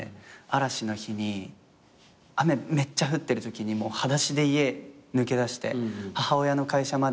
嵐の日に雨めっちゃ降ってるときにはだしで家抜け出して母親の会社まで行って。